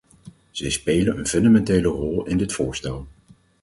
Zij spelen een fundamentele rol in dit voorstel.